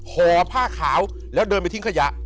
ห่อผ้าขาวแล้วเดินไปทิ้งขยะ